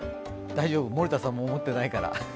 大丈夫、森田さんも持ってないから。